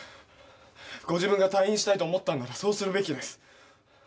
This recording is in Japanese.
ご自分が退院したいと思ったのならそうするべきです